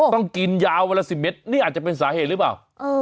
ต้องกินยาววันละ๑๐เมตรนี่อาจจะเป็นสาเหตุหรือเปล่า